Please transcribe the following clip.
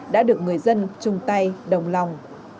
đã được người dân chung tay đồng lòng